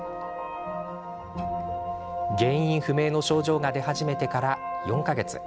原因不明の症状が出始めてから４か月。